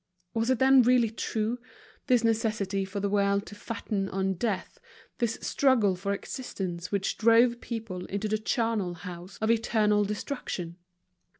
Was it then really true, this necessity for the world to fatten on death, this struggle for existence which drove people into the charnel house of eternal destruction?